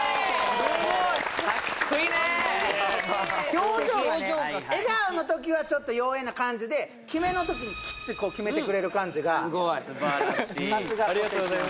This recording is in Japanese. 表情がね笑顔のときはちょっと妖艶な感じで決めのときキッてこう決めてくれる感じがすばらしい！